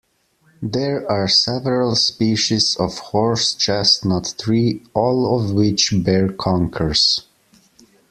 There are several species of horse chestnut tree, all of which bear conkers